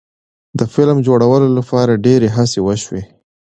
د فلم جوړولو لپاره ډیرې هڅې وشوې.